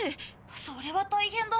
それは大変だ。